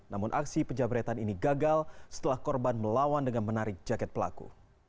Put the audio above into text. namun aksi penjabretan ini gagal setelah korban melawan dengan menarik jaket pelaku